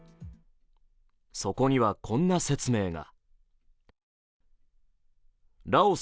そこには、こんな説明が。